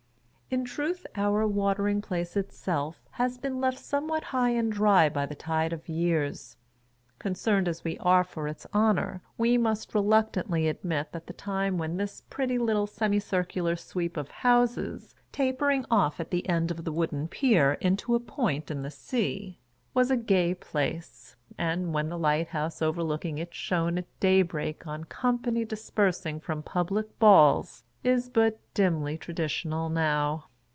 In truth our Watering Place itself has been left somewhat high and dry. by the tide of years. Concerned as we are for its honor, we must reluctantly admit that the time when this pretty little semi circular sweep of houses tapering off at the end of the wooden pier into a point in the sea, was a gay place, and when the lighthouse overlooking it shone at daybreak on company dispersing from public balls, is but dimly traditional now.